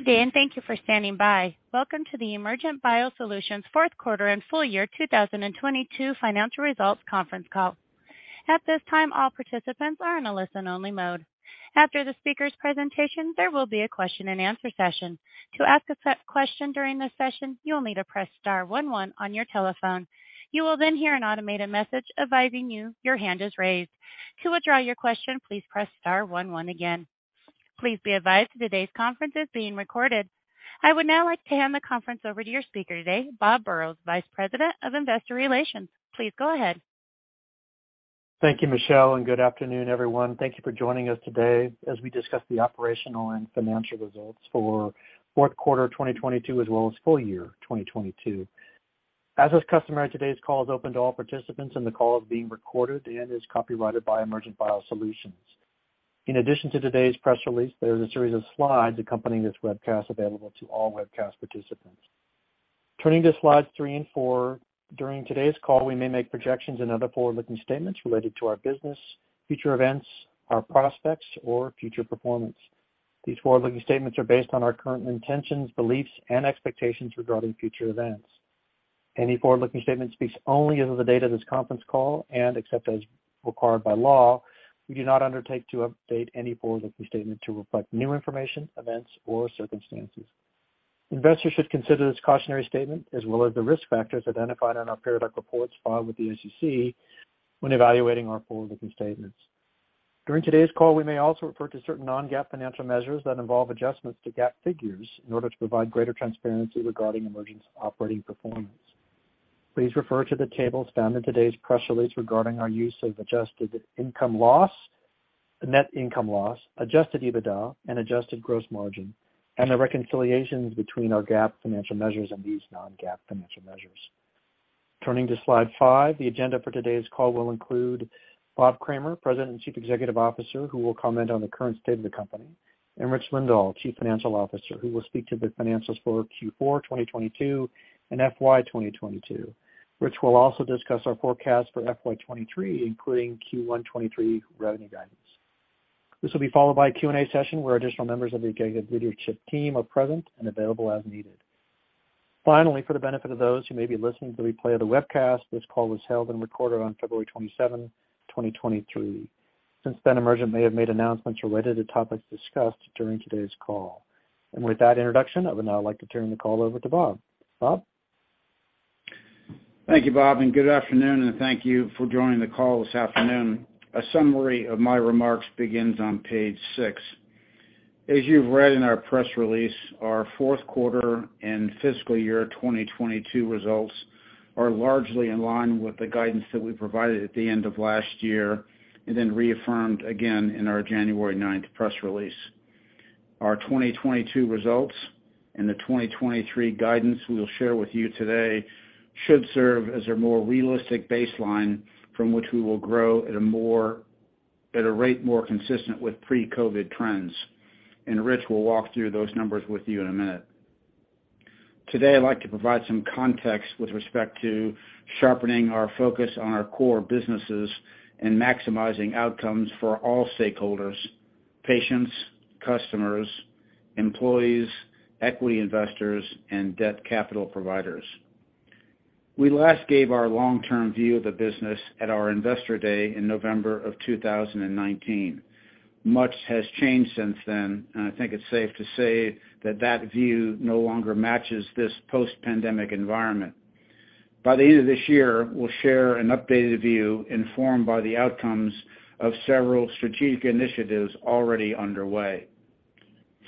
Good day, and thank you for standing by. Welcome to the Emergent BioSolutions fourth quarter and full year 2022 financial results conference call. At this time, all participants are in a listen-only mode. After the speaker's presentation, there will be a question-and-answer session. To ask a set question during this session, you'll need to press star one one on your telephone. You will then hear an automated message advising you your hand is raised. To withdraw your question, please press star one one again. Please be advised today's conference is being recorded. I would now like to hand the conference over to your speaker today, Bob Burrows, Vice President of Investor Relations. Please go ahead. Thank you, Michelle, and good afternoon, everyone. Thank you for joining us today as we discuss the operational and financial results for fourth quarter 2022, as well as full year 2022. As is customary, today's call is open to all participants, and the call is being recorded and is copyrighted by Emergent BioSolutions. In addition to today's press release, there's a series of slides accompanying this webcast available to all webcast participants. Turning to slides 3 and 4. During today's call, we may make projections and other forward-looking statements related to our business, future events, our prospects, or future performance. These forward-looking statements are based on our current intentions, beliefs, and expectations regarding future events. Any forward-looking statement speaks only as of the date of this conference call, and except as required by law, we do not undertake to update any forward-looking statement to reflect new information, events, or circumstances. Investors should consider this cautionary statement, as well as the risk factors identified on our periodic reports filed with the SEC when evaluating our forward-looking statements. During today's call, we may also refer to certain non-GAAP financial measures that involve adjustments to GAAP figures in order to provide greater transparency regarding Emergent BioSolutions' operating performance. Please refer to the tables found in today's press release regarding our use of adjusted income loss, net income loss, adjusted EBITDA, and adjusted gross margin, and the reconciliations between our GAAP financial measures and these non-GAAP financial measures. Turning to slide 5. The agenda for today's call will include Bob Kramer, President and Chief Executive Officer, who will comment on the current state of the company, and Rich Lindahl, Chief Financial Officer, who will speak to the finances for Q4 2022 and FY 2022. Rich will also discuss our forecast for FY 2023, including Q1 2023 revenue guidance. This will be followed by a Q&A session where additional members of the executive leadership team are present and available as needed. Finally, for the benefit of those who may be listening to the replay of the webcast, this call was held and recorded on February 27, 2023. Since then, Emergent may have made announcements related to topics discussed during today's call. With that introduction, I would now like to turn the call over to Bob. Bob? Thank you, Bob, good afternoon, and thank you for joining the call this afternoon. A summary of my remarks begins on page 6. As you've read in our press release, our fourth quarter and fiscal year 2022 results are largely in line with the guidance that we provided at the end of last year and then reaffirmed again in our January 9th press release. Our 2022 results and the 2023 guidance we will share with you today should serve as a more realistic baseline from which we will grow at a rate more consistent with pre-COVID trends. Rich will walk through those numbers with you in a minute. Today, I'd like to provide some context with respect to sharpening our focus on our core businesses and maximizing outcomes for all stakeholders, patients, customers, employees, equity investors, and debt capital providers. We last gave our long-term view of the business at our Investor Day in November of 2019. Much has changed since then. I think it's safe to say that that view no longer matches this post-pandemic environment. By the end of this year, we'll share an updated view informed by the outcomes of several strategic initiatives already underway.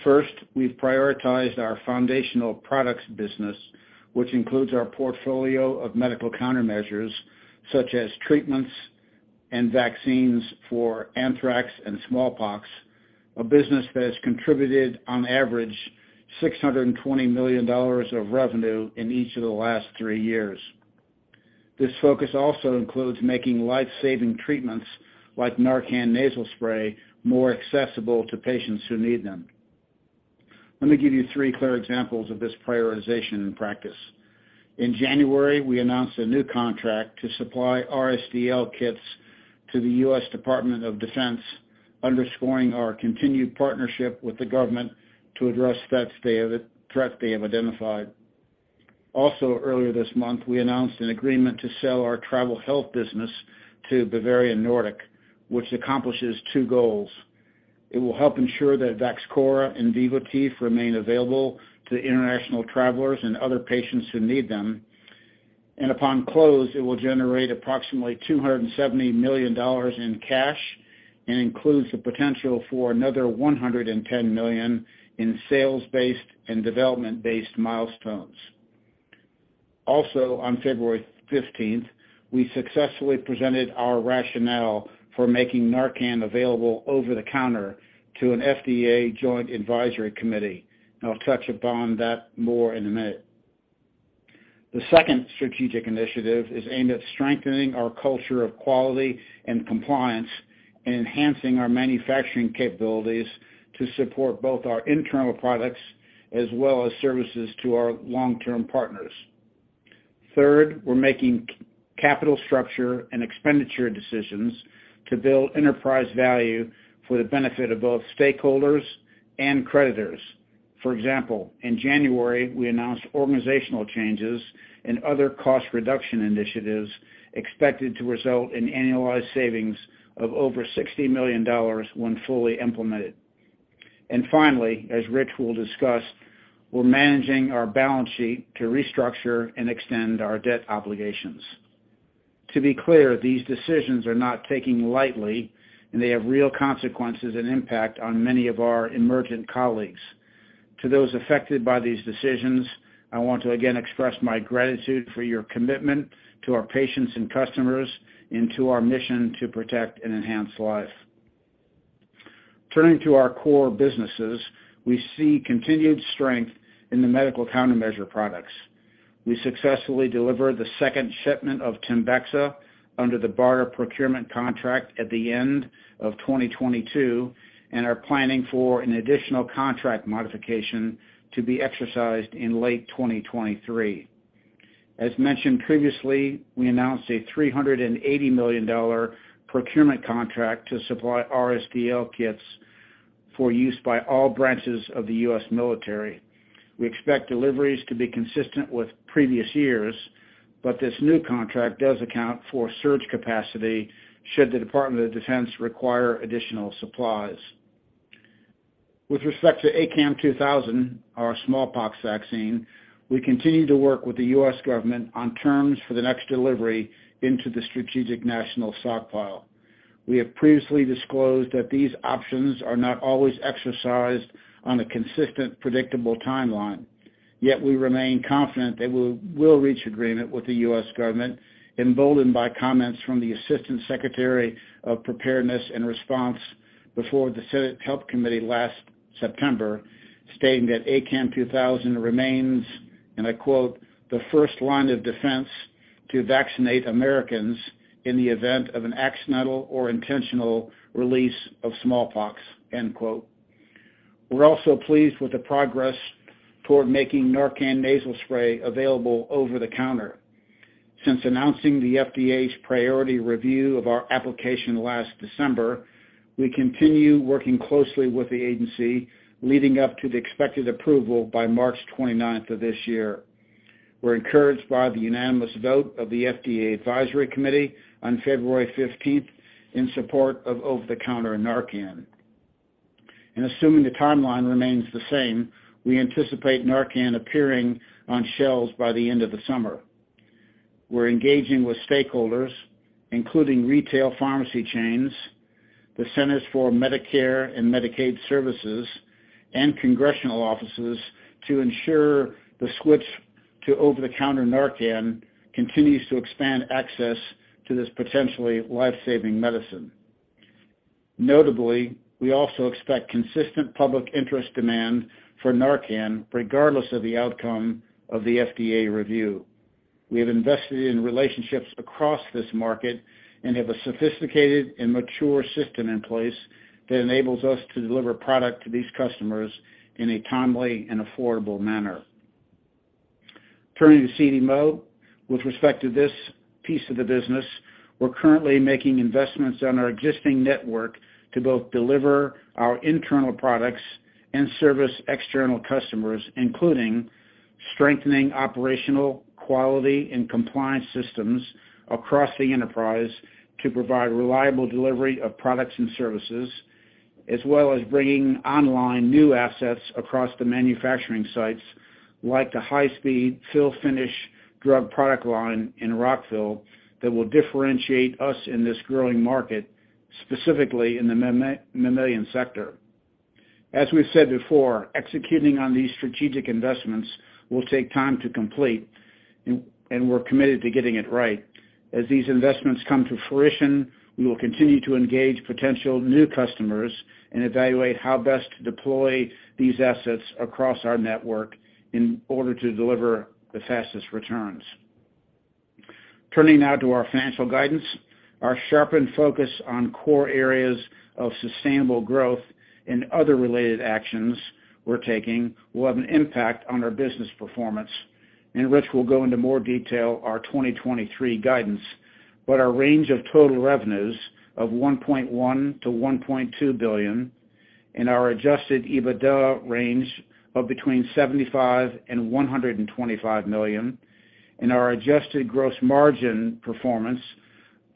First, we've prioritized our foundational products business, which includes our portfolio of medical countermeasures, such as treatments and vaccines for anthrax and smallpox, a business that has contributed on average $620 million of revenue in each of the last three years. This focus also includes making life-saving treatments like NARCAN Nasal Spray more accessible to patients who need them. Let me give you three clear examples of this prioritization in practice. In January, we announced a new contract to supply RSDL kits to the U.S. Department of Defense, underscoring our continued partnership with the government to address threats they have identified. Earlier this month, we announced an agreement to sell our Travel Health business to Bavarian Nordic, which accomplishes two goals. It will help ensure that Vaxchora and Vivotif remain available to international travelers and other patients who need them. Upon close, it will generate approximately $270 million in cash and includes the potential for another $110 million in sales-based and development-based milestones. On February 15th, we successfully presented our rationale for making NARCAN available over the counter to an FDA joint advisory committee. I'll touch upon that more in a minute. The second strategic initiative is aimed at strengthening our culture of quality and compliance and enhancing our manufacturing capabilities to support both our internal products as well as services to our long-term partners. Third, we're making capital structure and expenditure decisions to build enterprise value for the benefit of both stakeholders and creditors. For example, in January, we announced organizational changes and other cost reduction initiatives expected to result in annualized savings of over $60 million when fully implemented. Finally, as Rich will discuss, we're managing our balance sheet to restructure and extend our debt obligations. To be clear, these decisions are not taken lightly, and they have real consequences and impact on many of our Emergent colleagues. To those affected by these decisions, I want to again express my gratitude for your commitment to our patients and customers and to our mission to protect and enhance life. Turning to our core businesses, we see continued strength in the medical countermeasure products. We successfully delivered the second shipment of TEMBEXA under the barter procurement contract at the end of 2022, and are planning for an additional contract modification to be exercised in late 2023. As mentioned previously, we announced a $380 million procurement contract to supply RSDL kits for use by all branches of the U.S. military. We expect deliveries to be consistent with previous years, but this new contract does account for surge capacity should the U.S. Department of Defense require additional supplies. With respect to ACAM2000, our smallpox vaccine, we continue to work with the U.S. government on terms for the next delivery into the Strategic National Stockpile. We have previously disclosed that these options are not always exercised on a consistent, predictable timeline, yet we remain confident that we'll reach agreement with the U.S. government, emboldened by comments from the Assistant Secretary for Preparedness and Response before the Senate Health Committee last September, stating that ACAM2000 remains, and I quote, "The first line of defense to vaccinate Americans in the event of an accidental or intentional release of smallpox." End quote. We're also pleased with the progress toward making NARCAN Nasal Spray available over the counter. Since announcing the FDA's priority review of our application last December, we continue working closely with the agency leading up to the expected approval by March 29th of this year. We're encouraged by the unanimous vote of the FDA advisory committee on February 15th in support of over-the-counter NARCAN. Assuming the timeline remains the same, we anticipate NARCAN appearing on shelves by the end of the summer. We're engaging with stakeholders, including retail pharmacy chains, the Centers for Medicare & Medicaid Services, and congressional offices to ensure the switch to over-the-counter NARCAN continues to expand access to this potentially life-saving medicine. Notably, we also expect consistent public interest demand for NARCAN regardless of the outcome of the FDA review. We have invested in relationships across this market and have a sophisticated and mature system in place that enables us to deliver product to these customers in a timely and affordable manner. Turning to CDMO, with respect to this piece of the business, we're currently making investments on our existing network to both deliver our internal products and service external customers, including strengthening operational quality and compliance systems across the enterprise to provide reliable delivery of products and services, as well as bringing online new assets across the manufacturing sites, like the high-speed fill finish drug product line in Rockville that will differentiate us in this growing market, specifically in the mammalian sector. As we've said before, executing on these strategic investments will take time to complete, and we're committed to getting it right. As these investments come to fruition, we will continue to engage potential new customers and evaluate how best to deploy these assets across our network in order to deliver the fastest returns. Turning now to our financial guidance. Our sharpened focus on core areas of sustainable growth and other related actions we're taking will have an impact on our business performance. Rich will go into more detail our 2023 guidance. Our range of total revenues of $1.1 billion-$1.2 billion and our adjusted EBITDA range of between $75 million and $125 million, and our adjusted gross margin performance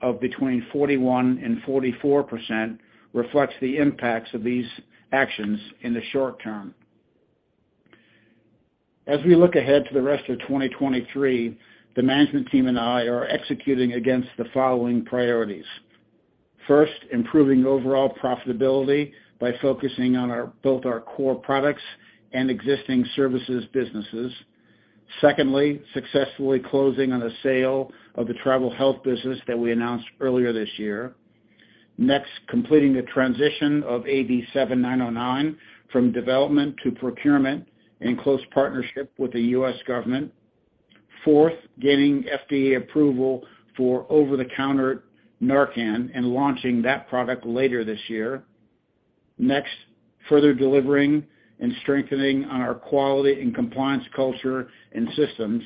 of between 41% and 44% reflects the impacts of these actions in the short term. As we look ahead to the rest of 2023, the management team and I are executing against the following priorities. First, improving overall profitability by focusing on both our core products and existing services businesses. Secondly, successfully closing on the sale of the Travel Health business that we announced earlier this year. Next, completing the transition of AV7909 from development to procurement in close partnership with the U.S. government. Fourth, gaining FDA approval for over-the-counter NARCAN and launching that product later this year. Next, further delivering and strengthening on our quality and compliance culture and systems.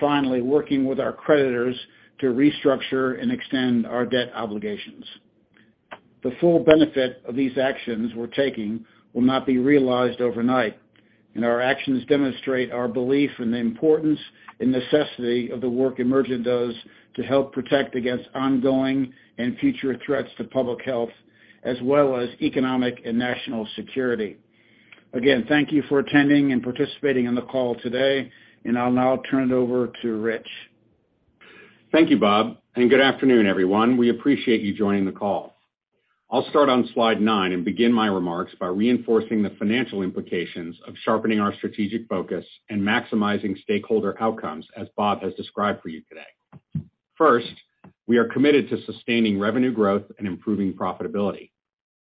Finally, working with our creditors to restructure and extend our debt obligations. The full benefit of these actions we're taking will not be realized overnight, and our actions demonstrate our belief in the importance and necessity of the work Emergent does to help protect against ongoing and future threats to public health, as well as economic and national security. Again, thank you for attending and participating in the call today, and I'll now turn it over to Rich. Thank you, Bob. Good afternoon, everyone. We appreciate you joining the call. I'll start on slide 9 and begin my remarks by reinforcing the financial implications of sharpening our strategic focus and maximizing stakeholder outcomes, as Bob has described for you today. First, we are committed to sustaining revenue growth and improving profitability.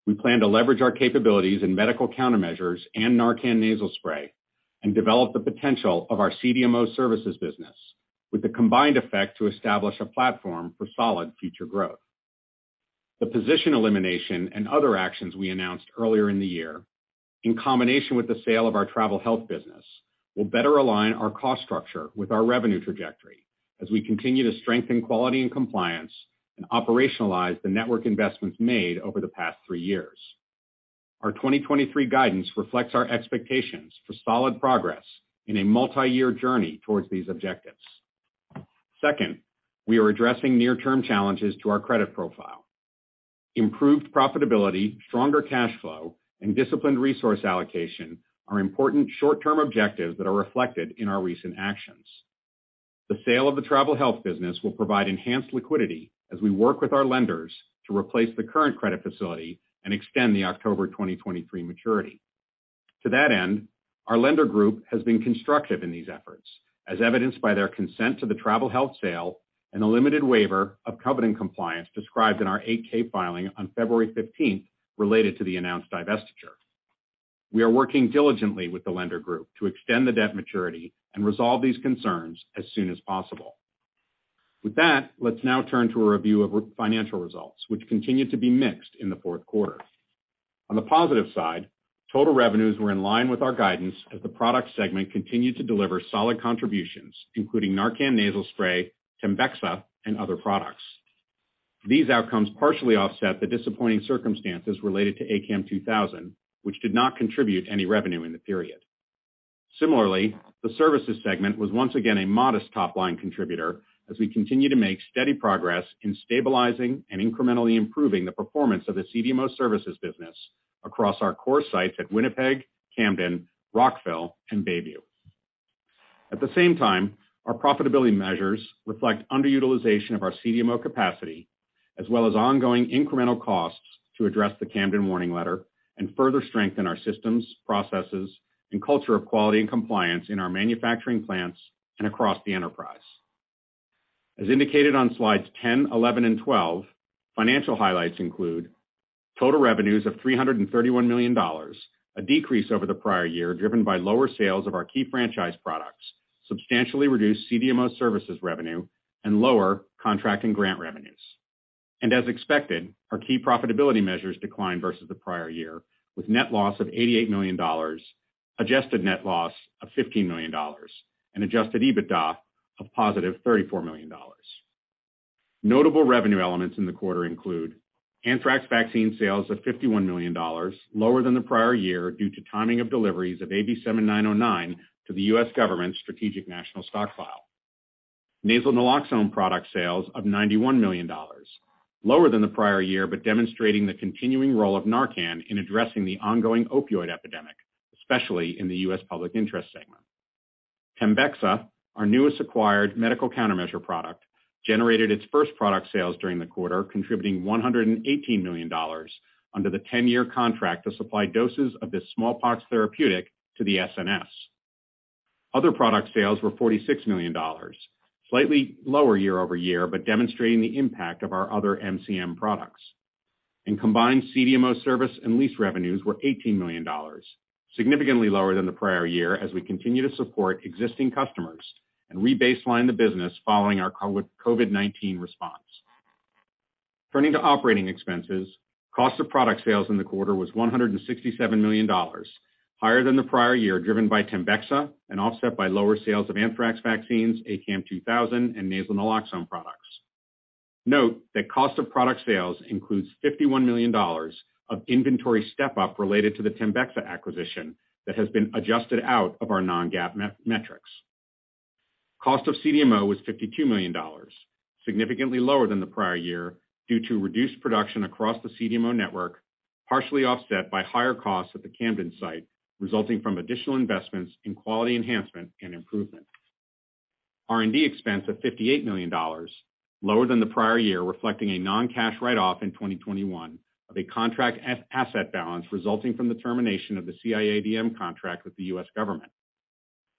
We plan to leverage our capabilities in medical countermeasures and NARCAN Nasal Spray and develop the potential of our CDMO services business with the combined effect to establish a platform for solid future growth. The position elimination and other actions we announced earlier in the year, in combination with the sale of our Travel Health business, will better align our cost structure with our revenue trajectory as we continue to strengthen quality and compliance and operationalize the network investments made over the past three years. Our 2023 guidance reflects our expectations for solid progress in a multi-year journey towards these objectives. Second, we are addressing near-term challenges to our credit profile. Improved profitability, stronger cash flow, and disciplined resource allocation are important short-term objectives that are reflected in our recent actions. The sale of the Travel Health business will provide enhanced liquidity as we work with our lenders to replace the current credit facility and extend the October 2023 maturity. To that end, our lender group has been constructive in these efforts, as evidenced by their consent to the Travel Health sale and a limited waiver of covenant compliance described in our 8-K filing on February 15th related to the announced divestiture. We are working diligently with the lender group to extend the debt maturity and resolve these concerns as soon as possible. With that, let's now turn to a review of financial results, which continued to be mixed in the fourth quarter. On the positive side, total revenues were in line with our guidance as the product segment continued to deliver solid contributions, including NARCAN Nasal Spray, TEMBEXA and other products. These outcomes partially offset the disappointing circumstances related to ACAM2000, which did not contribute any revenue in the period. Similarly, the services segment was once again a modest top-line contributor as we continue to make steady progress in stabilizing and incrementally improving the performance of the CDMO services business across our core sites at Winnipeg, Camden, Rockville and Bayview. At the same time, our profitability measures reflect underutilization of our CDMO capacity, as well as ongoing incremental costs to address the Camden warning letter and further strengthen our systems, processes and culture of quality and compliance in our manufacturing plants and across the enterprise. As indicated on slides 10, 11, and 12, financial highlights include total revenues of $331 million, a decrease over the prior year, driven by lower sales of our key franchise products, substantially reduced CDMO services revenue and lower contract and grant revenues. As expected, our key profitability measures declined versus the prior year, with net loss of $88 million, adjusted net loss of $15 million and adjusted EBITDA of positive $34 million. Notable revenue elements in the quarter include anthrax vaccine sales of $51 million, lower than the prior year due to timing of deliveries of AV7909 to the U.S. government Strategic National Stockpile. Nasal naloxone product sales of $91 million, lower than the prior year, but demonstrating the continuing role of NARCAN in addressing the ongoing opioid epidemic, especially in the U.S. public interest segment. TEMBEXA, our newest acquired medical countermeasure product, generated its first product sales during the quarter, contributing $118 million under the 10-year contract to supply doses of this smallpox therapeutic to the SNS. Other product sales were $46 million, slightly lower year-over-year, but demonstrating the impact of our other MCM products. In combined CDMO service and lease revenues were $18 million, significantly lower than the prior year as we continue to support existing customers and re-baseline the business following our COVID-19 response. Turning to operating expenses, cost of product sales in the quarter was $167 million, higher than the prior year, driven by TEMBEXA and offset by lower sales of anthrax vaccines, ACAM2000 and nasal naloxone products. Note that cost of product sales includes $51 million of inventory step-up related to the TEMBEXA acquisition that has been adjusted out of our non-GAAP metrics. Cost of CDMO was $52 million, significantly lower than the prior year due to reduced production across the CDMO network, partially offset by higher costs at the Camden site, resulting from additional investments in quality enhancement and improvement. R&D expense of $58 million, lower than the prior year, reflecting a non-cash write-off in 2021 of a contract as-asset balance resulting from the termination of the CIADM contract with the U.S. government.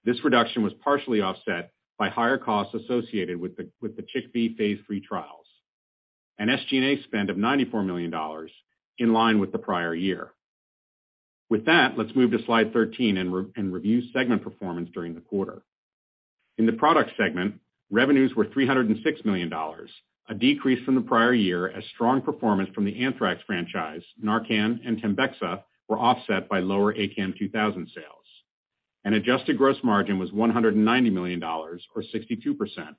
This reduction was partially offset by higher costs associated with the CHIKV phase III trials. SG&A spend of $94 million in line with the prior year. Let's move to slide 13 and review segment performance during the quarter. In the product segment, revenues were $306 million, a decrease from the prior year as strong performance from the anthrax franchise, NARCAN and TEMBEXA were offset by lower ACAM2000 sales. Adjusted gross margin was $190 million or 62%,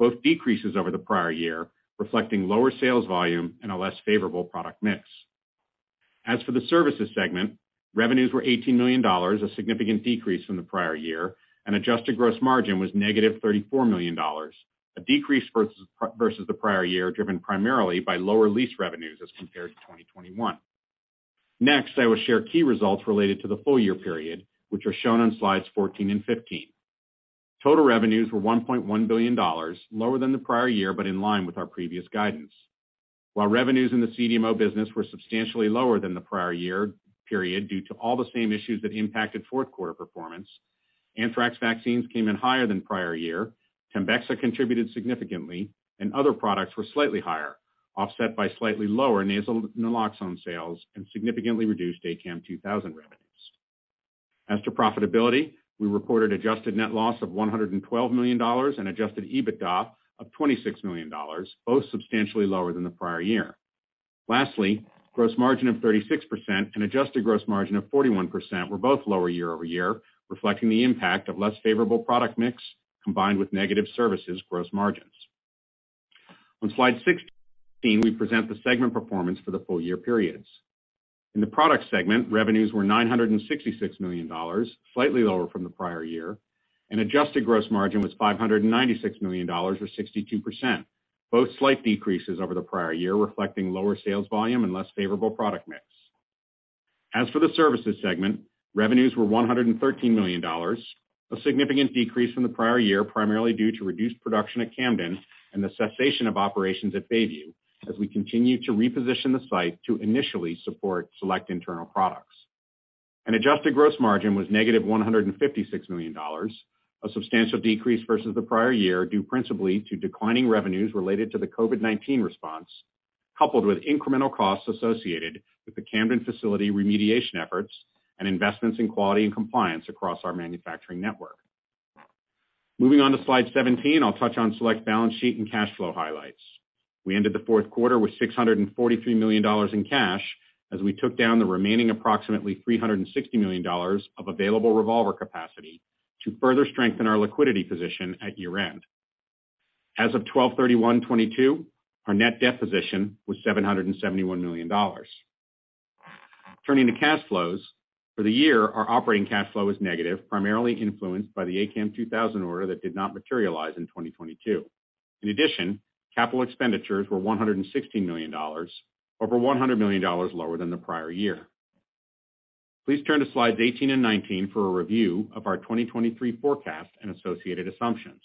both decreases over the prior year, reflecting lower sales volume and a less favorable product mix. As for the services segment, revenues were $18 million, a significant decrease from the prior year. Adjusted gross margin was -$34 million, a decrease versus the prior year, driven primarily by lower lease revenues as compared to 2021. Next, I will share key results related to the full-year period, which are shown on slides 14 and 15. Total revenues were $1.1 billion, lower than the prior year. In line with our previous guidance. While revenues in the CDMO business were substantially lower than the prior year period due to all the same issues that impacted fourth quarter performance, anthrax vaccines came in higher than prior year, TEMBEXA contributed significantly, and other products were slightly higher, offset by slightly lower nasal naloxone sales and significantly reduced ACAM2000 revenues. As to profitability, we reported adjusted net loss of $112 million and adjusted EBITDA of $26 million, both substantially lower than the prior year. Gross margin of 36% and adjusted gross margin of 41% were both lower year-over-year, reflecting the impact of less favorable product mix combined with negative services gross margins. On slide 16, we present the segment performance for the full year periods. In the product segment, revenues were $966 million, slightly lower from the prior year, and adjusted gross margin was $596 million or 62%, both slight decreases over the prior year, reflecting lower sales volume and less favorable product mix. As for the services segment, revenues were $113 million, a significant decrease from the prior year, primarily due to reduced production at Camden and the cessation of operations at Bayview as we continue to reposition the site to initially support select internal products. Adjusted gross margin was negative $156 million, a substantial decrease versus the prior year, due principally to declining revenues related to the COVID-19 response, coupled with incremental costs associated with the Camden facility remediation efforts and investments in quality and compliance across our manufacturing network. Moving on to slide 17, I'll touch on select balance sheet and cash flow highlights. We ended the fourth quarter with $643 million in cash as we took down the remaining approximately $360 million of available revolver capacity to further strengthen our liquidity position at year-end. As of 12/31/2022, our net debt position was $771 million. Turning to cash flows, for the year, our operating cash flow is negative, primarily influenced by the ACAM2000 order that did not materialize in 2022. Capital expenditures were $116 million, over $100 million lower than the prior year. Please turn to slides 18 and 19 for a review of our 2023 forecast and associated assumptions.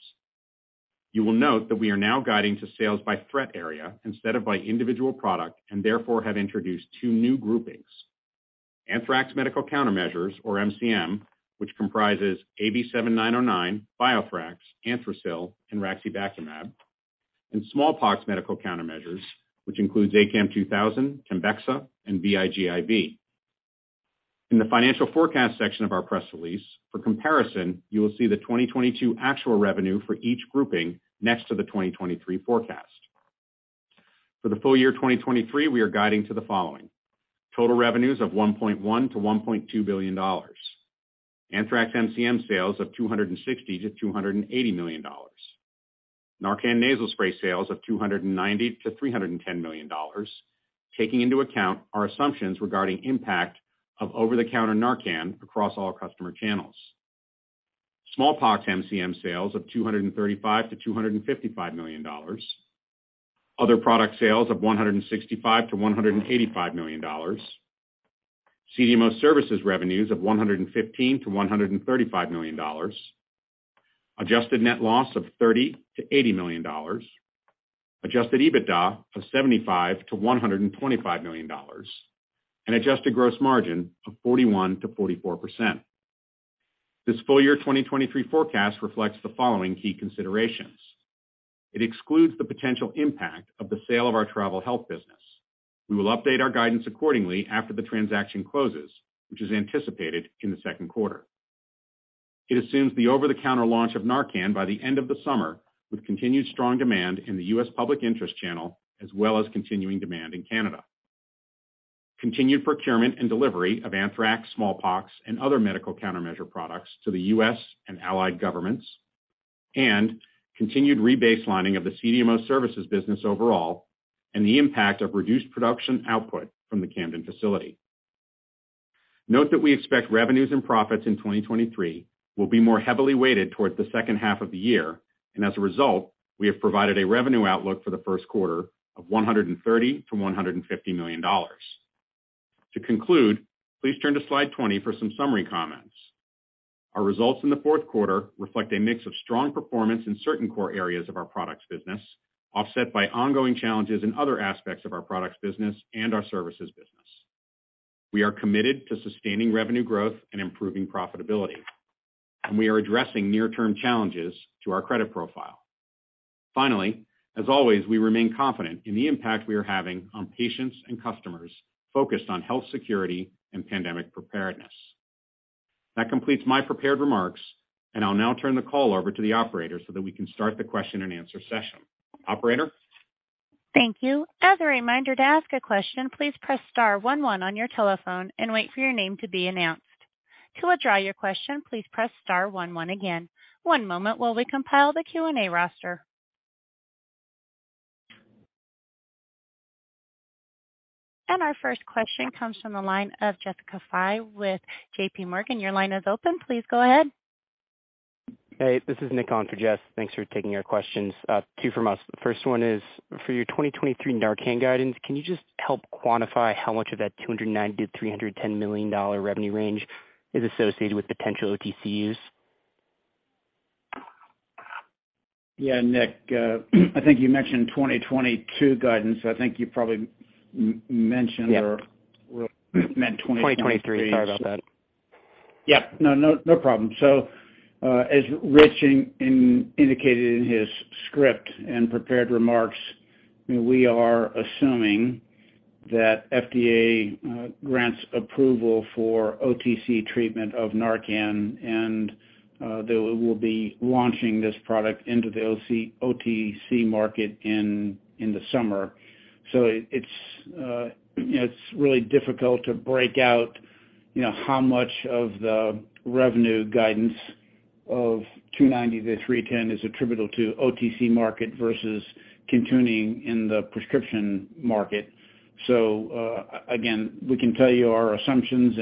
You will note that we are now guiding to sales by threat area instead of by individual product, and therefore have introduced two new groupings. Anthrax medical countermeasures, or MCM, which comprises AV7909, BioThrax, Anthrasil, and raxibacumab. Smallpox medical countermeasures, which includes ACAM2000, TEMBEXA, and VIGIV. In the financial forecast section of our press release, for comparison, you will see the 2022 actual revenue for each grouping next to the 2023 forecast. For the full year 2023, we are guiding to the following: total revenues of $1.1 billion-$1.2 billion, anthrax MCM sales of $260 million-$280 million, NARCAN Nasal Spray sales of $290 million-$310 million, taking into account our assumptions regarding impact of over-the-counter NARCAN across all customer channels. Smallpox MCM sales of $235 million-$255 million. Other product sales of $165 million-$185 million. CDMO services revenues of $115 million-$135 million. Adjusted net loss of $30 million-$80 million. Adjusted EBITDA of $75 million-$125 million. Adjusted gross margin of 41%-44%. This full year 2023 forecast reflects the following key considerations. It excludes the potential impact of the sale of our Travel Health business. We will update our guidance accordingly after the transaction closes, which is anticipated in the second quarter. It assumes the over-the-counter launch of NARCAN by the end of the summer, with continued strong demand in the U.S. public interest channel as well as continuing demand in Canada. Continued procurement and delivery of anthrax, smallpox, and other medical countermeasure products to the U.S. and allied governments and continued rebaselining of the CDMO services business overall and the impact of reduced production output from the Camden facility. Note that we expect revenues and profits in 2023 will be more heavily weighted towards the second half of the year, and as a result, we have provided a revenue outlook for the first quarter of $130 million-$150 million. To conclude, please turn to slide 20 for some summary comments. Our results in the fourth quarter reflect a mix of strong performance in certain core areas of our products business, offset by ongoing challenges in other aspects of our products business and our services business. We are committed to sustaining revenue growth and improving profitability. We are addressing near-term challenges to our credit profile. Finally, as always, we remain confident in the impact we are having on patients and customers focused on health security and pandemic preparedness. That completes my prepared remarks. I'll now turn the call over to the operator so that we can start the question and answer session. Operator? Thank you. As a reminder, to ask a question, please press star one one on your telephone and wait for your name to be announced. To withdraw your question, please press star one one again. One moment while we compile the Q&A roster. Our first question comes from the line of Jessica Fye with JPMorgan. Your line is open. Please go ahead. Hey, this is Nick on for Jess. Thanks for taking our questions. Two from us. The first one is for your 2023 NARCAN guidance. Can you just help quantify how much of that $290 million-$310 million revenue range is associated with potential OTC use? Yeah, Nick, I think you mentioned 2022 guidance. I think you probably mentioned. Yeah. Meant 2023. 2023. Sorry about that. No, no problem. As Rich indicated in his script and prepared remarks, we are assuming that FDA grants approval for OTC treatment of NARCAN and that we'll be launching this product into the OTC market in the summer. it's really difficult to break out, you know, how much of the revenue guidance of $290 million-$310 million is attributable to OTC market versus continuing in the prescription market. again, we can tell you our assumptions.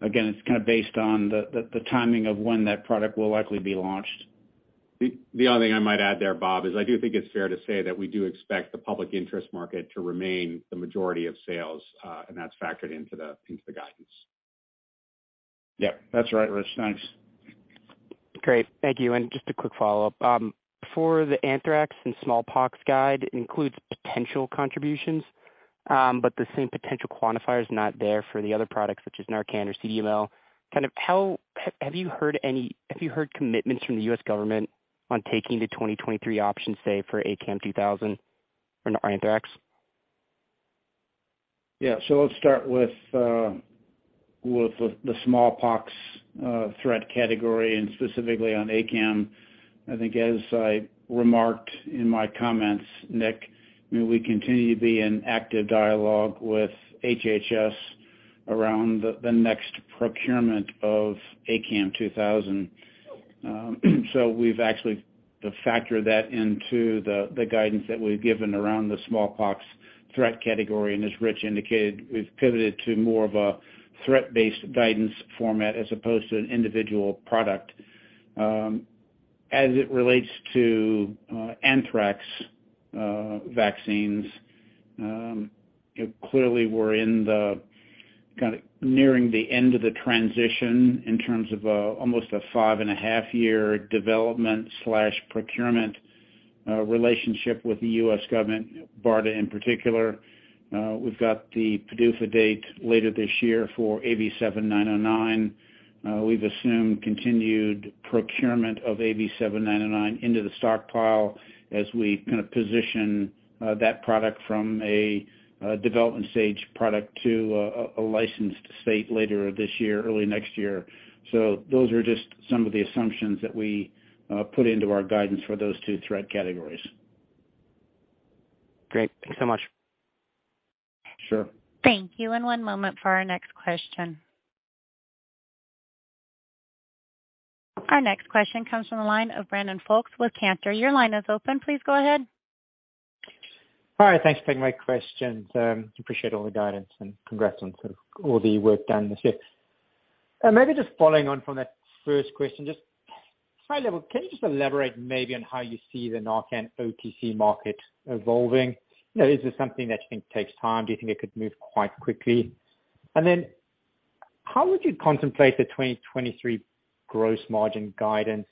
again, it's kind of based on the timing of when that product will likely be launched. The only thing I might add there, Bob, is I do think it's fair to say that we do expect the public interest market to remain the majority of sales, and that's factored into the, into the guidance. Yeah, that's right, Rich. Thanks. Great. Thank you. Just a quick follow-up. For the anthrax and smallpox guide includes potential contributions, but the same potential quantifier is not there for the other products such as NARCAN or CDMO. Have you heard commitments from the U.S. government on taking the 2023 option, say, for ACAM2000 for anthrax? Yeah. Let's start with the smallpox threat category, and specifically on ACAM. I think as I remarked in my comments, Nick, we continue to be in active dialogue with HHS around the next procurement of ACAM2000. We've actually factored that into the guidance that we've given around the smallpox threat category. As Rich indicated, we've pivoted to more of a threat-based guidance format as opposed to an individual product. As it relates to anthrax vaccines, you know, clearly we're in the kind of nearing the end of the transition in terms of almost a five and a half year development/procurement relationship with the U.S. government, BARDA in particular. We've got the PDUFA date later this year for AV7909. We've assumed continued procurement of AV7909 into the stockpile as we kind of position that product from a development stage product to a licensed state later this year, early next year. Those are just some of the assumptions that we put into our guidance for those two threat categories. Great. Thank you so much. Sure. Thank you. One moment for our next question. Our next question comes from the line of Brandon Folkes with Cantor. Your line is open. Please go ahead. Hi, thanks for taking my questions. Appreciate all the guidance and congrats on sort of all the work done this year. Maybe just following on from that first question, just high level, can you just elaborate maybe on how you see the NARCAN OTC market evolving? You know, is this something that you think takes time? Do you think it could move quite quickly? How would you contemplate the 2023 gross margin guidance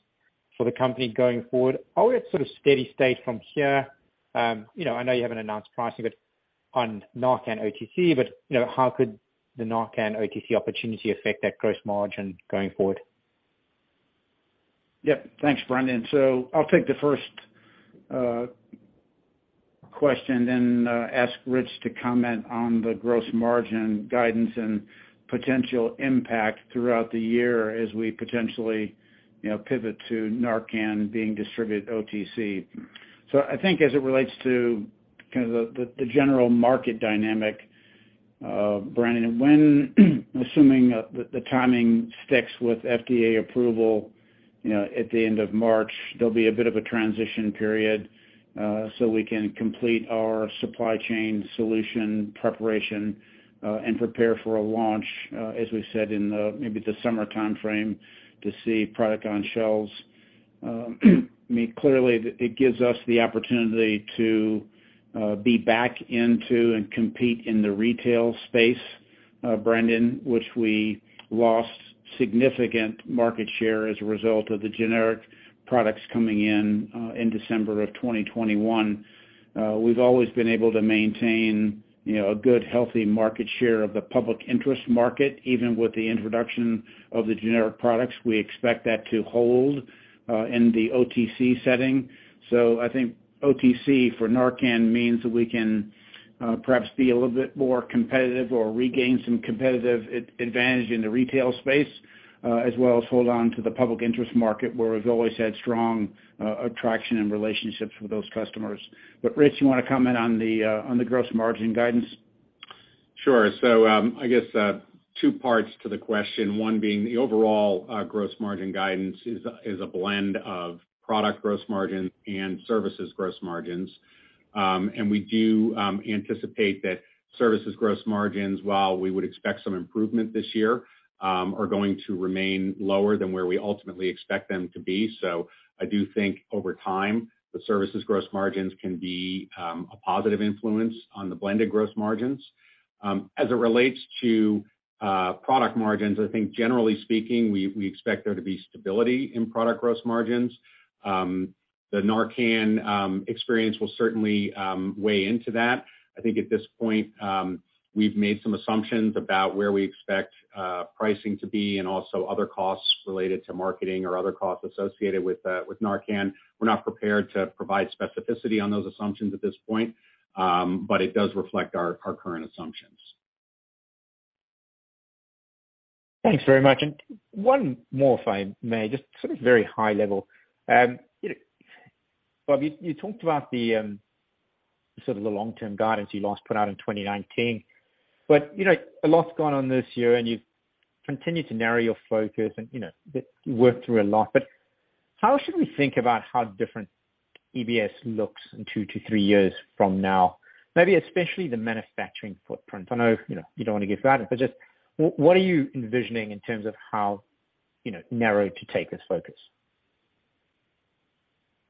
for the company going forward? Are we at sort of steady state from here? You know, I know you haven't announced pricing on NARCAN OTC, you know, how could the NARCAN OTC opportunity affect that gross margin going forward? Yep. Thanks, Brandon. I'll take the first question then ask Rich to comment on the gross margin guidance and potential impact throughout the year as we potentially, you know, pivot to NARCAN being distributed OTC. I think as it relates to kind of the general market dynamic, Brandon, when assuming the timing sticks with FDA approval, you know, at the end of March, there'll be a bit of a transition period, so we can complete our supply chain solution preparation and prepare for a launch, as we said, in the maybe the summer timeframe to see product on shelves. I mean, clearly it gives us the opportunity to be back into and compete in the retail space. Brandon, which we lost significant market share as a result of the generic products coming in in December of 2021. We've always been able to maintain, you know, a good, healthy market share of the public interest market, even with the introduction of the generic products. We expect that to hold in the OTC setting. I think OTC for NARCAN means that we can perhaps be a little bit more competitive or regain some competitive advantage in the retail space, as well as hold on to the public interest market, where we've always had strong attraction and relationships with those customers. Rich, you want to comment on the gross margin guidance? Sure. I guess two parts to the question. One being the overall gross margin guidance is a blend of product gross margin and services gross margins. We do anticipate that services gross margins, while we would expect some improvement this year, are going to remain lower than where we ultimately expect them to be. I do think over time, the services gross margins can be a positive influence on the blended gross margins. As it relates to product margins, I think generally speaking, we expect there to be stability in product gross margins. The NARCAN experience will certainly weigh into that. I think at this point, we've made some assumptions about where we expect pricing to be and also other costs related to marketing or other costs associated with NARCAN. We're not prepared to provide specificity on those assumptions at this point, but it does reflect our current assumptions. Thanks very much. One more if I may, just sort of very high level. You, Bob, talked about the sort of the long-term guidance you last put out in 2019. You know, a lot's gone on this year and you've continued to narrow your focus and, you know, you worked through a lot. How should we think about how different EBS looks in two to three years from now? Maybe especially the manufacturing footprint. I know, you know, you don't want to give guidance, but just what are you envisioning in terms of how, you know, narrow to take this focus?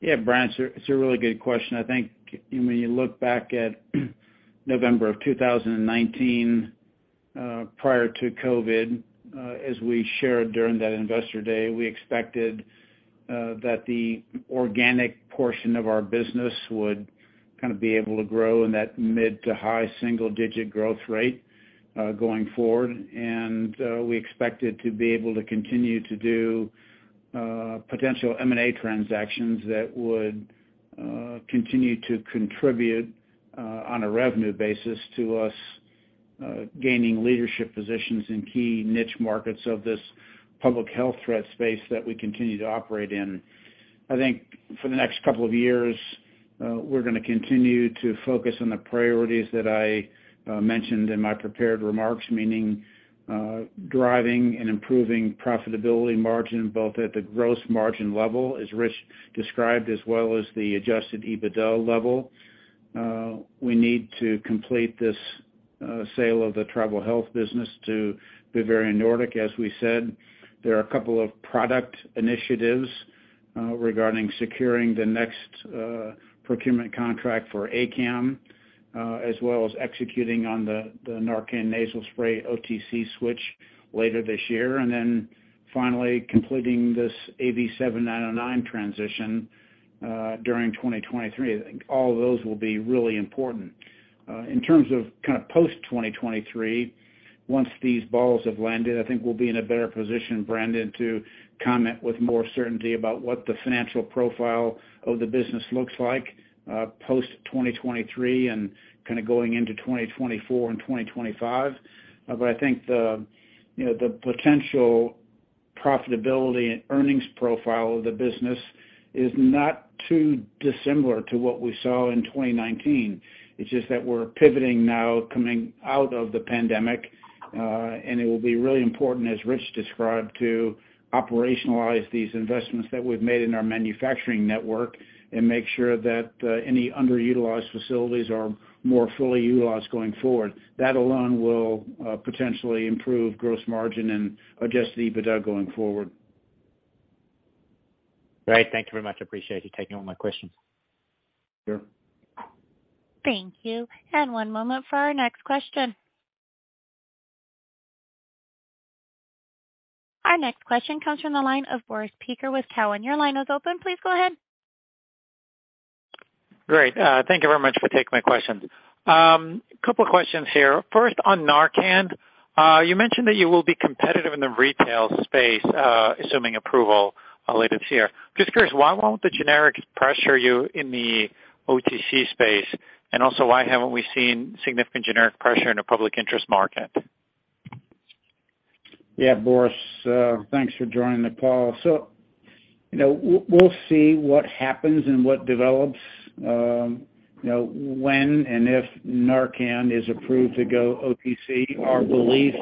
Yeah, Brandon, it's a really good question. I think when you look back at November of 2019, prior to COVID, as we shared during that Investor Day, we expected that the organic portion of our business would kind of be able to grow in that mid to high single-digit growth rate going forward. We expected to be able to continue to do potential M&A transactions that would continue to contribute on a revenue basis to us gaining leadership positions in key niche markets of this public health threat space that we continue to operate in. I think for the next couple of years, we're going to continue to focus on the priorities that I mentioned in my prepared remarks, meaning driving and improving profitability margin, both at the gross margin level, as Rich described, as well as the adjusted EBITDA level. We need to complete this sale of the Travel Health business to Bavarian Nordic. As we said, there are a couple of product initiatives regarding securing the next procurement contract for ACAM, as well as executing on the NARCAN Nasal Spray OTC switch later this year. Then finally completing this AV7909 transition during 2023. I think all of those will be really important. In terms of kind of post 2023, once these balls have landed, I think we'll be in a better position, Brandon, to comment with more certainty about what the financial profile of the business looks like, post 2023 and kinda going into 2024 and 2025. I think the, you know, the potential profitability and earnings profile of the business is not too dissimilar to what we saw in 2019. It's just that we're pivoting now coming out of the pandemic. It will be really important, as Rich described, to operationalize these investments that we've made in our manufacturing network and make sure that any underutilized facilities are more fully utilized going forward. That alone will potentially improve gross margin and adjusted EBITDA going forward. Great. Thank you very much. I appreciate you taking all my questions. Sure. Thank you. One moment for our next question. Our next question comes from the line of Boris Peaker with Cowen. Your line is open. Please go ahead. Great. Thank you very much for taking my questions. Couple of questions here. First on NARCAN, you mentioned that you will be competitive in the retail space, assuming approval later this year. Just curious, why won't the generic pressure you in the OTC space? Also, why haven't we seen significant generic pressure in a public interest market? Boris, thanks for joining the call. You know, we'll see what happens and what develops, you know, when and if NARCAN is approved to go OTC. Our belief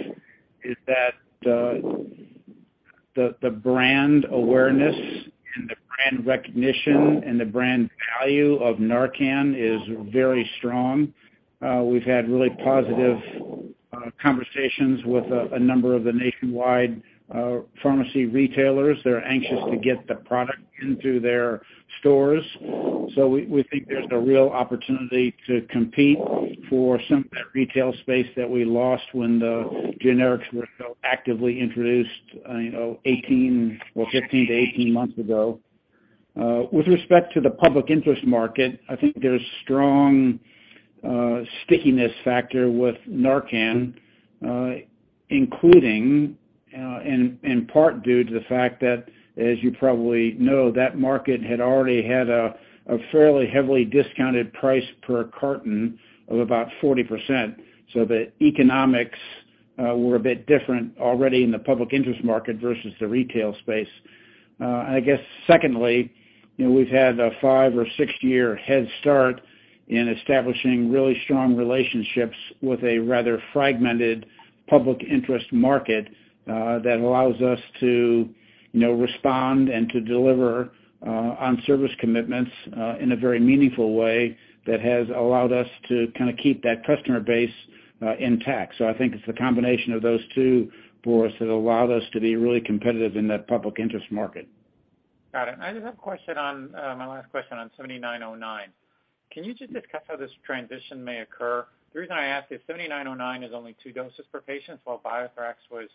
is that the brand awareness and recognition and the brand value of NARCAN is very strong. We've had really positive conversations with a number of the nationwide pharmacy retailers. They're anxious to get the product into their stores. We think there's a real opportunity to compete for some of that retail space that we lost when the generics were so actively introduced, you know, 18 or 15 to 18 months ago. With respect to the public interest market, I think there's strong stickiness factor with NARCAN, including in part due to the fact that, as you probably know, that market had already had a fairly heavily discounted price per carton of about 40%. The economics were a bit different already in the public interest market versus the retail space. I guess secondly, you know, we've had a five or six-year head start in establishing really strong relationships with a rather fragmented public interest market that allows us to, you know, respond and to deliver on service commitments in a very meaningful way that has allowed us to kinda keep that customer base intact. I think it's the combination of those two, Boris, that allow us to be really competitive in that public interest market. Got it. I just have a question on my last question on AV7909. Can you just discuss how this transition may occur? The reason I ask is AV7909 is only 2 doses per patient, while BioThrax was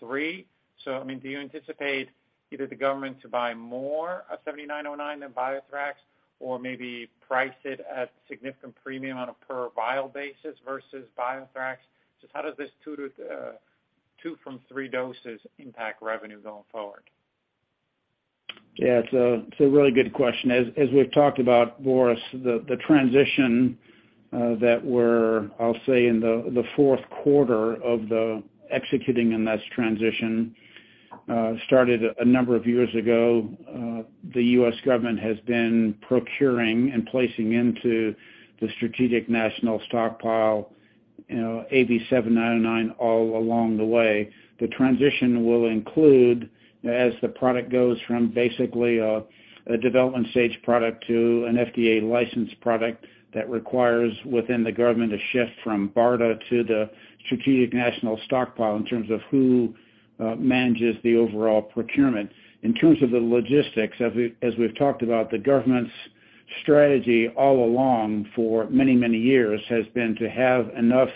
3. I mean, do you anticipate either the government to buy more of AV7909 than BioThrax or maybe price it at significant premium on a per vial basis versus BioThrax? Just how does this 2 from 3 doses impact revenue going forward? It's a really good question. As we've talked about, Boris, the transition that we're, I'll say in the fourth quarter of the executing in this transition, started a number of years ago. The U.S. government has been procuring and placing into the Strategic National Stockpile, you know, AV7909 all along the way. The transition will include, as the product goes from basically a development stage product to an FDA licensed product that requires within the government a shift from BARDA to the Strategic National Stockpile in terms of who manages the overall procurement. In terms of the logistics, as we've talked about, the government's strategy all along for many, many years has been to have enough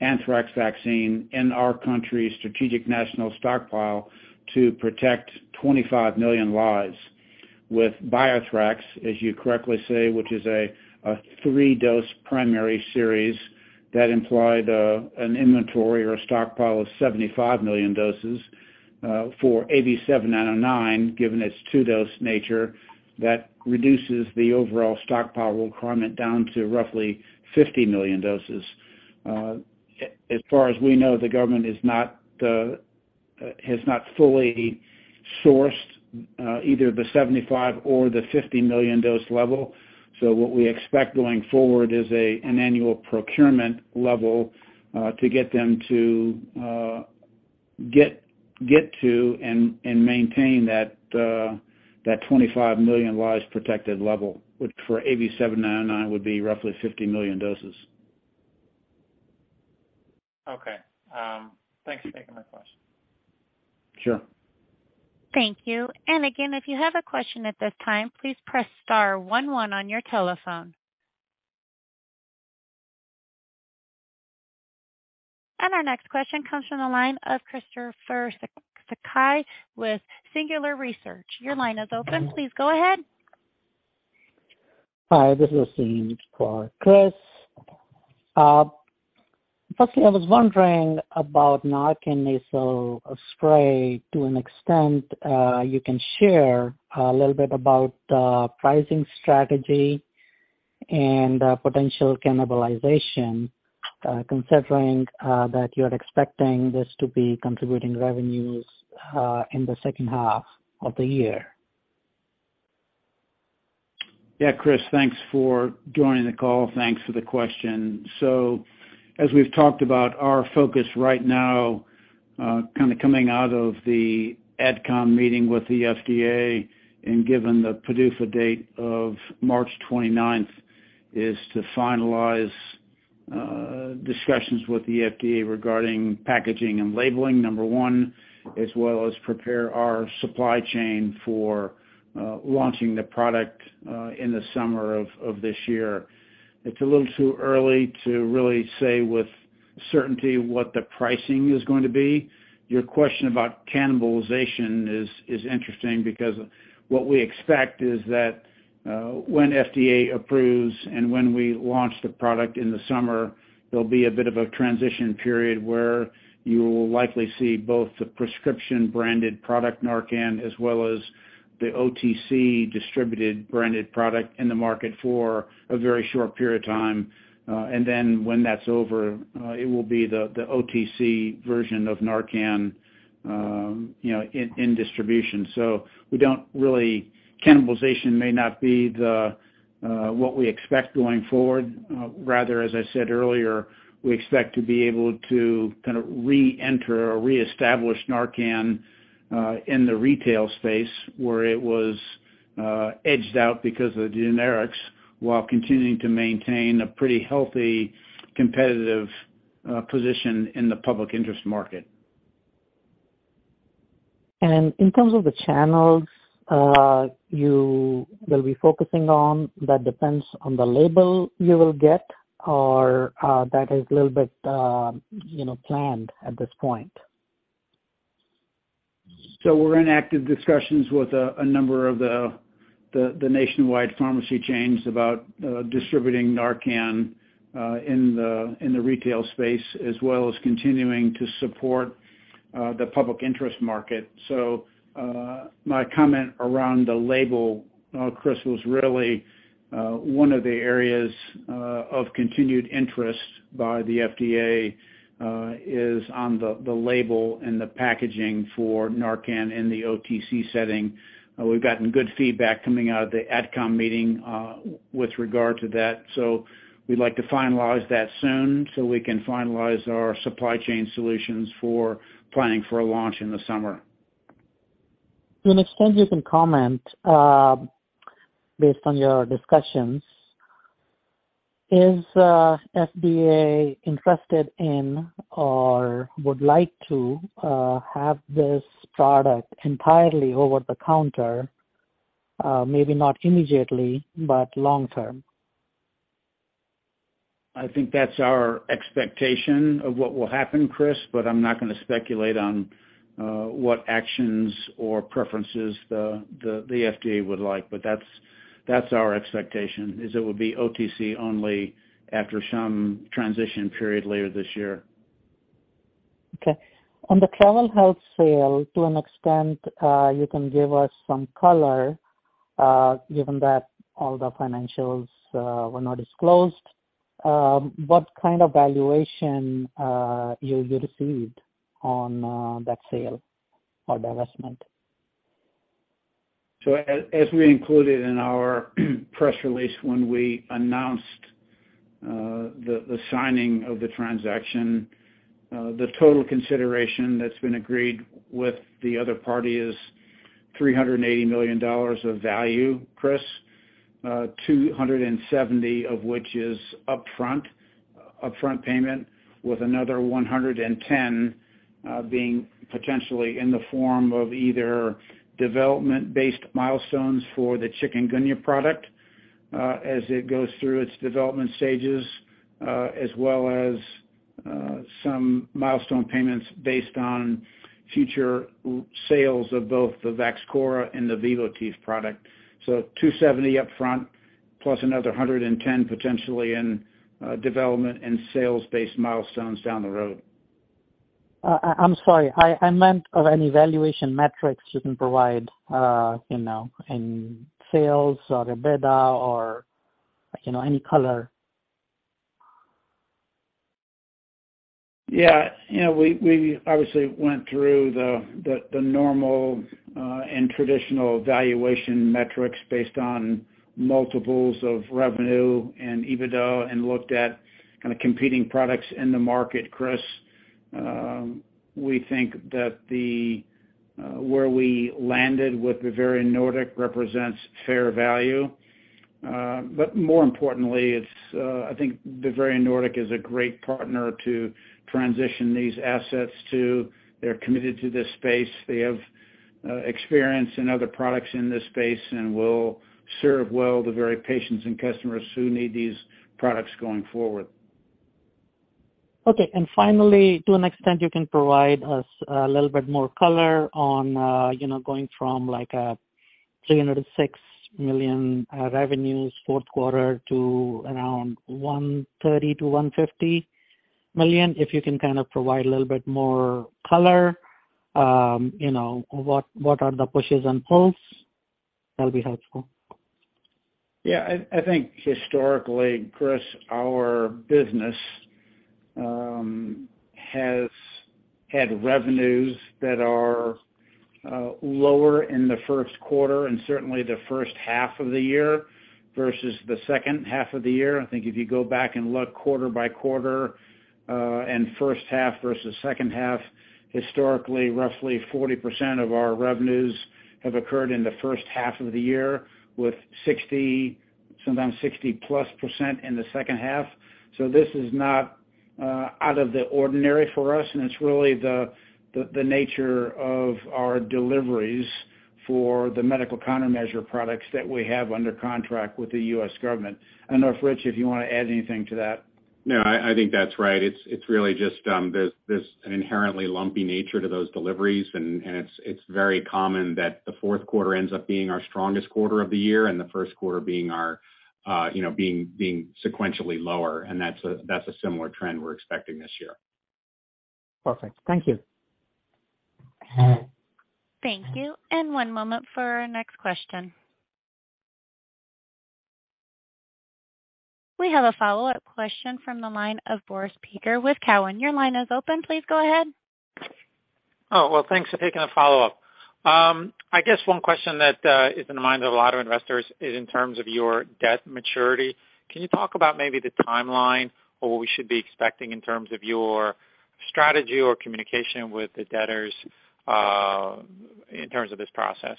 anthrax vaccine in our country's Strategic National Stockpile to protect 25 million lives. With BioThrax, as you correctly say, which is a 3-dose primary series that implied an inventory or a stockpile of 75 million doses, for AV7909, given its 2-dose nature, that reduces the overall stockpile requirement down to roughly 50 million doses. As far as we know, the government is not, has not fully sourced, either the 75 million or the 50 million dose level. What we expect going forward is an annual procurement level, to get them to get to and maintain that 25 million lives protected level, which for AV7909 would be roughly 50 million doses. Okay. Thanks for taking my question. Sure. Thank you. Again, if you have a question at this time, please press star one one on your telephone. Our next question comes from the line of Christopher Sakai with Singular Research. Your line is open. Please go ahead. Hi, this is [Sean] for Chris. Firstly, I was wondering about NARCAN Nasal Spray to an extent, you can share a little bit about pricing strategy and potential cannibalization, considering that you're expecting this to be contributing revenues in the second half of the year. Yeah, Chris, thanks for joining the call. Thanks for the question. As we've talked about our focus right now, kinda coming out of the AdCom meeting with the FDA and given the PDUFA date of March 29th, is to finalize discussions with the FDA regarding packaging and labeling, number one, as well as prepare our supply chain for launching the product in the summer of this year. It's a little too early to really say with certainty what the pricing is going to be. Your question about cannibalization is interesting because what we expect is that when FDA approves and when we launch the product in the summer, there'll be a bit of a transition period where you'll likely see both the prescription branded product NARCAN, as well as the OTC distributed branded product in the market for a very short period of time. Then when that's over, it will be the OTC version of NARCAN, you know, in distribution. We don't really. Cannibalization may not be the what we expect going forward. Rather, as I said earlier, we expect to be able to kinda reenter or reestablish NARCAN in the retail space where it was edged out because of the generics while continuing to maintain a pretty healthy competitive position in the public interest market. In terms of the channels, you will be focusing on, that depends on the label you will get or, that is a little bit, you know, planned at this point? We're in active discussions with a number of the nationwide pharmacy chains about distributing NARCAN in the retail space, as well as continuing to support the public interest market. My comment around the label, Chris, was really one of the areas of continued interest by the FDA is on the label and the packaging for NARCAN in the OTC setting. We've gotten good feedback coming out of the AdCom meeting with regard to that. We'd like to finalize that soon so we can finalize our supply chain solutions for planning for a launch in the summer. To an extent you can comment, based on your discussions, is FDA interested in or would like to have this product entirely over the counter, maybe not immediately, but long term? I think that's our expectation of what will happen, Chris, but I'm not going to speculate on what actions or preferences the FDA would like. That's our expectation, is it will be OTC only after some transition period later this year. Okay. On the Travel Health sale, to an extent, you can give us some color, given that all the financials were not disclosed, what kind of valuation you received on that sale or divestment? As we included in our press release when we announced the signing of the transaction, the total consideration that's been agreed with the other party is $380 million of value, Chris. $270 million of which is upfront payment, with another $110 million being potentially in the form of either development-based milestones for the chikungunya product, as it goes through its development stages, as well as some milestone payments based on future sales of both the Vaxchora and the Vivotif product. $270 million upfront, plus another $110 million potentially in development and sales-based milestones down the road. I'm sorry. I meant of any valuation metrics you can provide, you know, in sales or EBITDA or, you know, any color. Yeah. You know, we obviously went through the normal and traditional valuation metrics based on multiples of revenue and EBITDA, and looked at kind of competing products in the market, Chris. We think that the where we landed with the Bavarian Nordic represents fair value. More importantly, it's I think Bavarian Nordic is a great partner to transition these assets to. They're committed to this space. They have experience in other products in this space and will serve well the very patients and customers who need these products going forward. Okay. Finally, to an extent you can provide us a little bit more color on, you know, going from like, $306 million revenues fourth quarter to around $130 million-$150 million. If you can kind of provide a little bit more color, you know, what are the pushes and pulls, that'll be helpful. Yeah. I think historically, Chris, our business, has had revenues that are lower in the first quarter and certainly the first half of the year versus the second half of the year. I think if you go back and look quarter by quarter, and first half versus second half, historically roughly 40% of our revenues have occurred in the first half of the year with 60%, sometimes 60+% in the second half. This is not out of the ordinary for us, and it's really the nature of our deliveries for the medical countermeasure products that we have under contract with the U.S. government. I don't know if, Rich, if you want to add anything to that. No, I think that's right. It's really just, there's an inherently lumpy nature to those deliveries and it's very common that the fourth quarter ends up being our strongest quarter of the year and the first quarter being our, you know, sequentially lower. That's a similar trend we're expecting this year. Perfect. Thank you. Thank you. One moment for our next question. We have a follow-up question from the line of Boris Peaker with Cowen. Your line is open. Please go ahead. Thanks for taking a follow-up. I guess one question that is in the minds of a lot of investors is in terms of your debt maturity. Can you talk about maybe the timeline or what we should be expecting in terms of your strategy or communication with the debtors in terms of this process?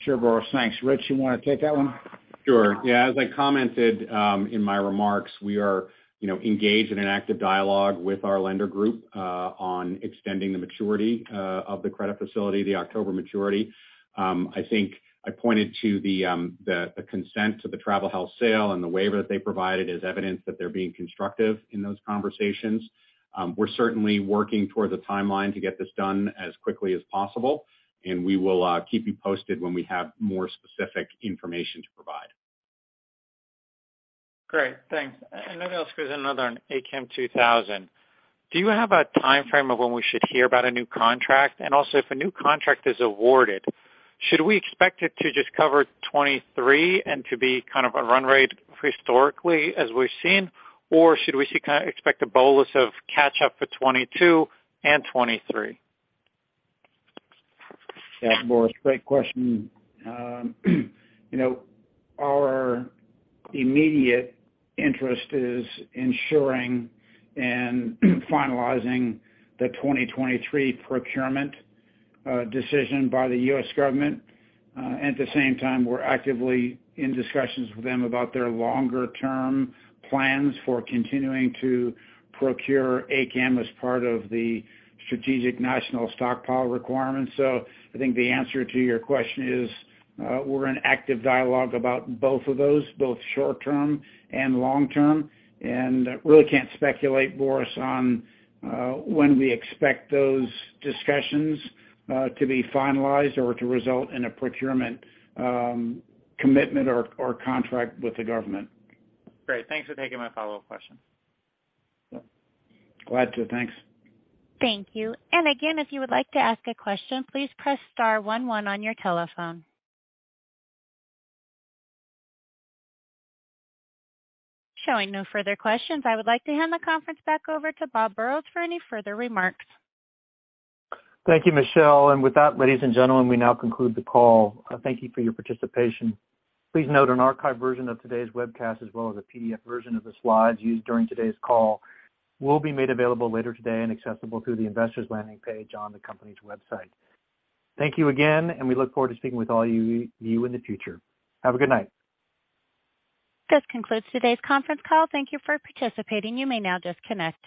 Sure, Boris. Thanks. Rich, you want to take that one? Sure. Yeah. As I commented, in my remarks, we are, you know, engaged in an active dialogue with our lender group, on extending the maturity, of the credit facility, the October maturity. I think I pointed to the consent to the Travel Health sale and the waiver that they provided as evidence that they're being constructive in those conversations. We're certainly working toward the timeline to get this done as quickly as possible, and we will, keep you posted when we have more specific information to provide. Great. Thanks. else there's another on ACAM2000. Do you have a timeframe of when we should hear about a new contract? if a new contract is awarded, should we expect it to just cover 2023 and to be kind of a run rate historically as we've seen? Or should we see kinda expect a bolus of catch-up for 2022 and 2023? Yeah. Boris, great question. You know, our immediate interest is ensuring and finalizing the 2023 procurement decision by the U.S. government. At the same time, we're actively in discussions with them about their longer term plans for continuing to procure ACAM as part of the Strategic National Stockpile requirements. I think the answer to your question is, we're in active dialogue about both of those, both short-term and long-term. Really can't speculate, Boris, on when we expect those discussions to be finalized or to result in a procurement commitment or contract with the government. Great. Thanks for taking my follow-up question. Glad to. Thanks. Thank you. Again, if you would like to ask a question, please press star one one on your telephone. Showing no further questions, I would like to hand the conference back over to Bob Burrows for any further remarks. Thank you, Michelle. With that, ladies and gentlemen, we now conclude the call. Thank you for your participation. Please note an archived version of today's webcast, as well as a PDF version of the slides used during today's call will be made available later today and accessible through the investor's landing page on the company's website. Thank you again, and we look forward to speaking with all you in the future. Have a good night. This concludes today's conference call. Thank you for participating. You may now disconnect.